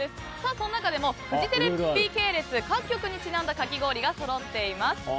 その中でもフジテレビ系列各局にちなんだかき氷がそろっています。